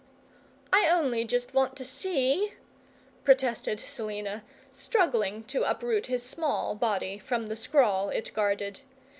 "I only just want to see," protested Selina, struggling to uproot his small body from the scrawl it guarded.